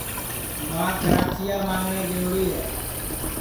ماں کِراچِیا مانگٹؔیں گئوری ہے